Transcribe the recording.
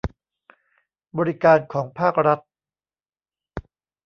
บริการของภาครัฐ